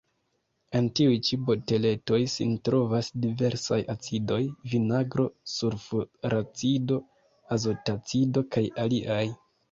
En tiuj ĉi boteletoj sin trovas diversaj acidoj: vinagro, sulfuracido, azotacido kaj aliaj.